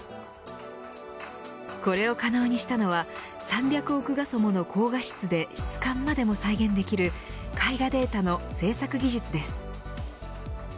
これを可能にしたのは３００億画素もの高画質で質感までも再現できる絵画データの製作技術です。